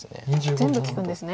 全部利くんですね。